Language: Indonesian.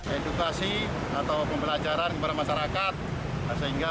edukasi atau pembelajaran kepada masyarakat